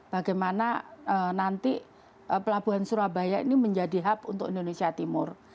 bagaimana nanti pelabuhan surabaya ini menjadi hub untuk indonesia timur